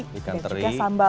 dan juga sambal